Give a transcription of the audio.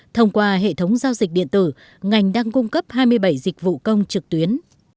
thông qua hệ thống giao dịch điện tử ngành đang cung cấp hai mươi bảy dịch vụ công trực tuyến